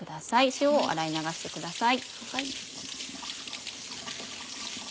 塩を洗い流してください。